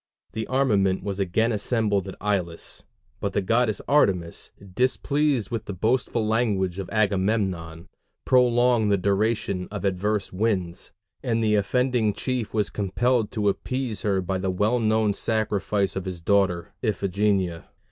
The armament was again assembled at Aulis, but the goddess Artemis, displeased with the boastful language of Agamemnon, prolonged the duration of adverse winds, and the offending chief was compelled to appease her by the well known sacrifice of his daughter Iphigenia.